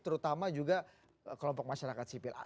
terutama juga kelompok masyarakat sipil